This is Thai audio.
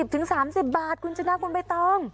ถึง๓๐บาทคุณชนะคุณใบตอง